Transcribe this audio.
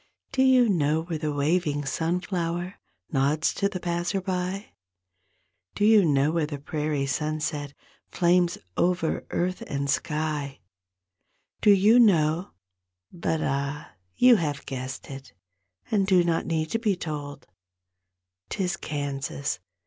Do you know where the waving sunflower Nods to the passer by; Do you know where the prairie sunset Flames over earth and sky; Do you know—but ah, you have guessed it And do not need to be told; 'Tis Kansas!